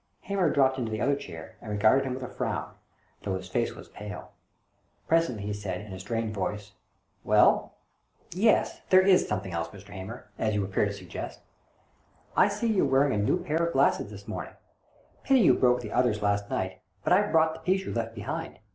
Hamer dropped into the other chair and regarded him with a frown, though his face was pale. Presently he said, in a strained voice, " Well? " 136 THE DOBBINGTON DEED BOX "Yes; there ts something else, Mr. Hamer, as you appear to suggest. I see you're wearing a new pair of glasses this morning ; pity you broke the others last night, but I've brought the piece you left behind."